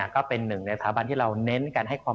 คุณสินทะนันสวัสดีครับ